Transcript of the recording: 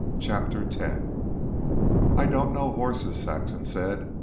CHAPTER X "I don't know horses," Saxon said.